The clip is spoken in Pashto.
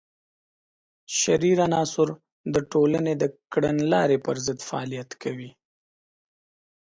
شریر عناصر د ټولنې د کړنلارې پر ضد فعالیت کوي.